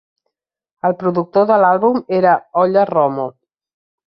El productor de l'àlbum era Olle Romo.